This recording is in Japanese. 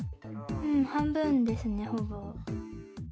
半分ですね、ほぼ。